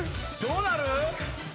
どうなる？